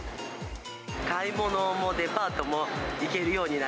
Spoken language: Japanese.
買い物もデパートも行けるよ